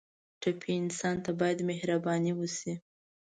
ټپي انسان ته باید مهرباني وشي.